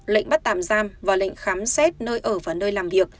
lệnh bắt tạm giam và lệnh khám xét nơi ở và nơi làm việc